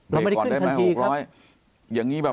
เราไม่ได้ขื่นทันทีครับเหมือนคือ๖๐๐บาท